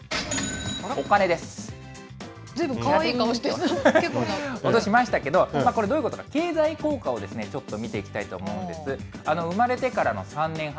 ずいぶんかわいい顔して、結これ、どういうことか、経済効果をちょっと見ていきたいと思うんです。